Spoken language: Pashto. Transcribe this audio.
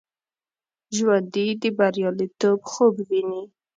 ژوندي د بریالیتوب خوب ویني